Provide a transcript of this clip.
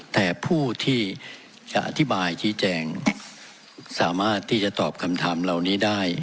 แต่ผู้ที่จะอธิบายชี้แจงสามารถที่จะตอบคำถามเหล่านี้ได้